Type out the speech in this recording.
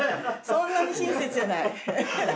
そんなに親切じゃない。